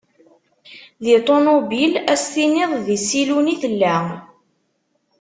Di ṭunubil, ad as-tiniḍ di ssilun i tella.